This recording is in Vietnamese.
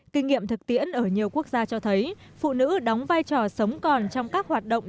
kinh nghiệm thực tiễn ở nhiều quốc gia cho thấy phụ nữ đóng vai trò sống còn trong các hoạt động